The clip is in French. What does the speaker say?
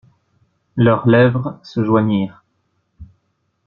Leurs lèvres se joignirent.